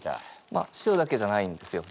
まあ塩だけじゃないんですよ。